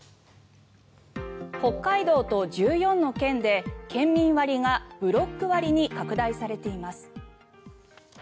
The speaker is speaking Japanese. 北海道と１４の県で県民割がブロック割に拡大されています。